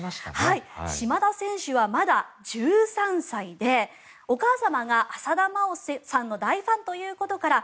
島田選手はまだ１３歳でお母様が浅田真央さんの大ファンということから